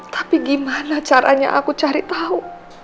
tapi gimana caranya aku cari tahu